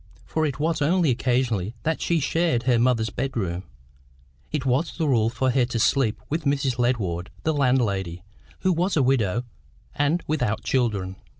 For it was only occasionally that she shared her mother's bedroom; it was the rule for her to sleep with Mrs. Ledward, the landlady, who was a widow and without children.